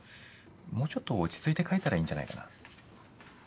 もうちょっと落ち着いて書いたらいいんじゃないかな？